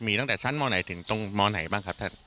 มีตั้งแต่ชั้นมไหนถึงตรงมไหนบ้างครับท่าน